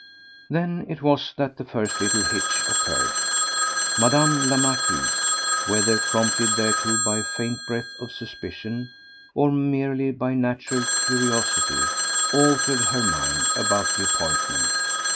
Then it was that the first little hitch occurred. Mme. la Marquise—whether prompted thereto by a faint breath of suspicion, or merely by natural curiosity—altered her mind about the appointment.